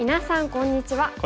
こんにちは。